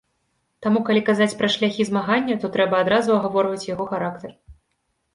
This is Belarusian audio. Таму калі казаць пра шляхі змагання, то трэба адразу агаворваць яго характар.